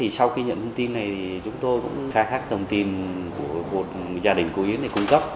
sau khi nhận thông tin này thì chúng tôi cũng khai thác thông tin của gia đình cô yến để cung cấp